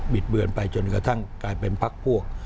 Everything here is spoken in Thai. ดเบือนไปจนกระทั่งกลายเป็นพักพวก